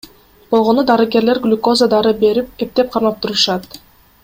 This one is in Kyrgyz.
Болгону дарыгерлер глюкоза, дары берип эптеп кармап турушат.